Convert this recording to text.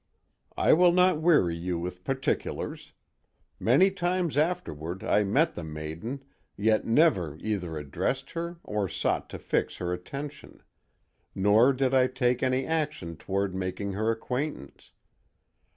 "I will not weary you with particulars; many times afterward I met the maiden, yet never either addressed her or sought to fix her attention. Nor did I take any action toward making her acquaintance.